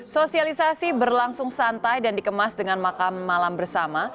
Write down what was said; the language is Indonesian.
sosialisasi berlangsung santai dan dikemas dengan makan malam bersama